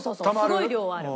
すごい量ある。